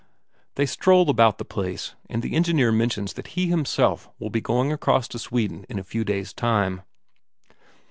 They stroll about the place, and the engineer mentions that he himself will be going across to Sweden in a few days' time.